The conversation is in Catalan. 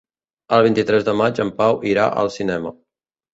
El vint-i-tres de maig en Pau irà al cinema.